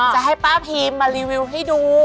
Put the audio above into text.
จะให้ป้าพีมมารีวิวให้ดู